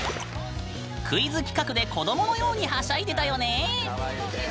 クイズ企画で子どものようにはしゃいでたよね。